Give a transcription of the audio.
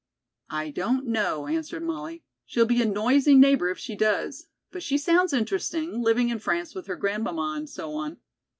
"I don't know," answered Molly. "She'll be a noisy neighbor if she does. But she sounds interesting, living in France with her grandmamma and so on."